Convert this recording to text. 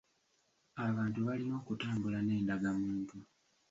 Abantu balina okutambula n’endagamuntu.